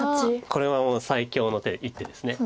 これは最強の一手です。